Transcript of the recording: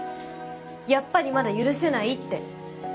やっぱりまだ許せないって。